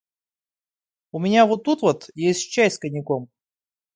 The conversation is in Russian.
У меня вот тут вот есть чай с коньяком.